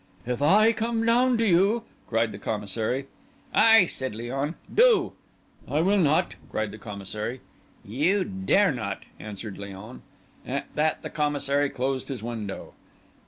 "If I come down to you!" cried the Commissary. "Aye," said Léon, "do!" "I will not!" cried the Commissary. "You dare not!" answered Léon. At that the Commissary closed his window.